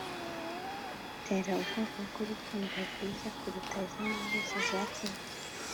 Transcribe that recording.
'tera ubwoko bwurukundo rwiza kuruta izindi zose zakozwe